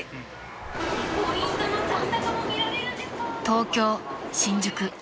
［東京新宿］